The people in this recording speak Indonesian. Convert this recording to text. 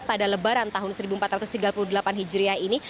pada lebaran tahun seribu empat ratus tiga puluh delapan hijriah ini